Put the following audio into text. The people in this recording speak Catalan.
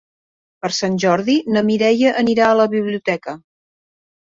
Per Sant Jordi na Mireia anirà a la biblioteca.